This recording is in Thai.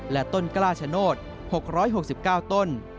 และต้นกล้าชโนธ๖๖๙ต้น